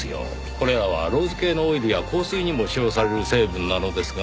これらはローズ系のオイルや香水にも使用される成分なのですが。